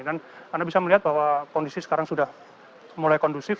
dan anda bisa melihat bahwa kondisi sekarang sudah mulai kondusif